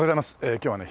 今日はね